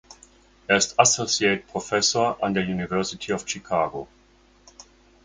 Er ist Associate Professor an der University of Chicago.